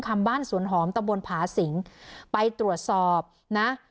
บ้านสวนหอมตะบนผาสิงไปตรวจสอบนะ